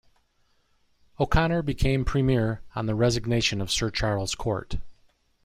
O'Connor became Premier on the resignation of Sir Charles Court.